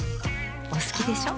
お好きでしょ。